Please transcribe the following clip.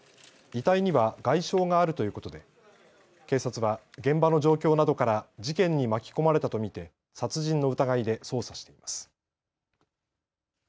遺体には外傷があるということで警察は現場の状況などから事件に巻き込まれたと見て殺人の疑いで捜査しています。